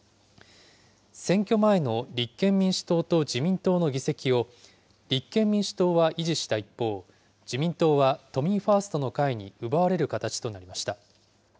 選挙前の立憲民主党と自民党の議席を、立憲民主党は維持した一方、自民党は都民ファーストの会に奪われる形となりました。